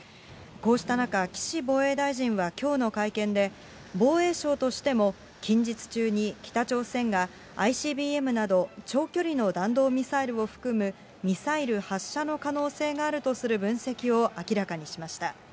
こうした中、岸防衛大臣はきょうの会見で、防衛省としても、近日中に北朝鮮がＩＣＢＭなど長距離の弾道ミサイルを含む、ミサイル発射の可能性があるとする分析を明らかにしました。